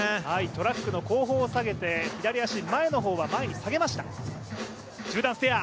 トラックの後方を下げて左足前の方は前に下げました。